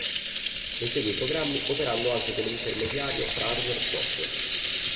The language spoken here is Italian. Esegue i programmi operando anche come intermediario fra hardware e software.